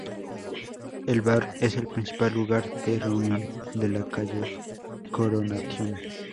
El bar es el principal lugar de reunión de la calle Coronation.